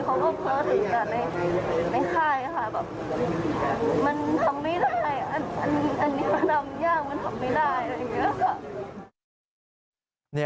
มันทำไม่ได้อันนี้ทำยากมันทำไม่ได้